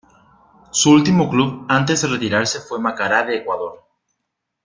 Su último club antes de retirarse fue Macará de Ecuador.